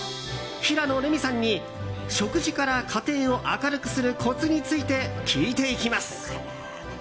平野レミさんに、食事から家庭を明るくするコツについて聞いていきます。